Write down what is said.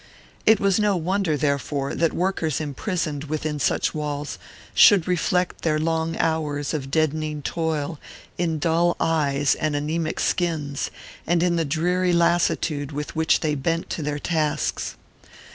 It was no wonder, therefore, that workers imprisoned within such walls should reflect their long hours of deadening toil in dull eyes and anæmic skins, and in the dreary lassitude with which they bent to their tasks.